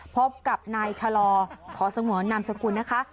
พบกับนายชะลอขอสงวนนามสกุลนะคะ